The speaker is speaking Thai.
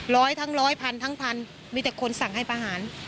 ร้อยทั้งร้อยพันทั้งพันมีแต่คนสั่งให้ประหาร